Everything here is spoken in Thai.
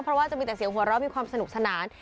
เพราะว่าจะมีแต่เสียงหัวเราะมีความสนุกสนาน